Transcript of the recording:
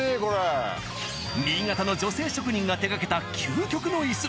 新潟の女性職人が手掛けた究極の椅子。